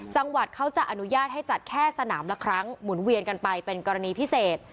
จังหวัดเขาจะอนุญาตให้จัดแค่สนามละครั้งหมุนเวียนกันไปเป็นกรณีพิเศษ